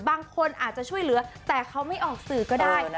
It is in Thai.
บางคนอาจจะช่วยเหลือแต่เขาไม่ออกสื่อก็ได้